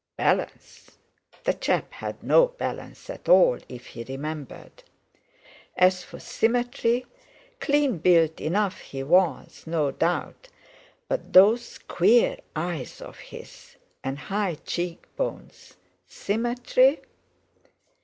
Balance! The chap had no balance at all, if he remembered; as for symmetry—clean built enough he was, no doubt; but those queer eyes of his, and high cheek bones—Symmetry?